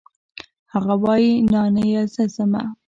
هغه وايي نانيه زه ځمه.